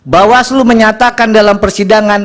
bawaslu menyatakan dalam persidangan